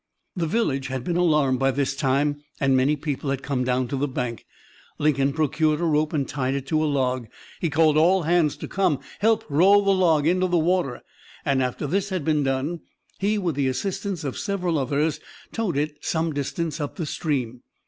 "The village had been alarmed by this time, and many people had come down to the bank. Lincoln procured a rope and tied it to a log. He called all hands to come and help roll the log into the water, and, after this had been done, he, with the assistance of several others, towed it some distance up the stream.